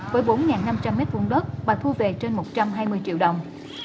với bốn năm trăm linh m hai đất và thu về trên một trăm hai mươi triệu đồng